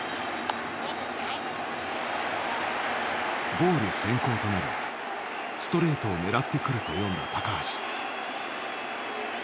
ボール先行となりストレートを狙ってくると読んだ橋。